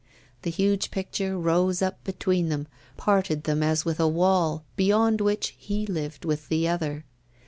The huge picture rose up between them, parted them as with a wall, beyond which he lived with the other.